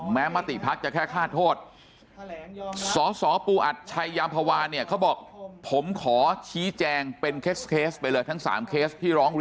แม้มาติพักจะแค่ฆ่าโทษ